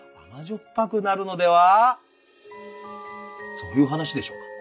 そういう話でしょうか？